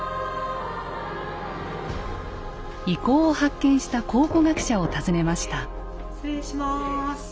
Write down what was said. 遺構を発見した考古学者を訪ねました。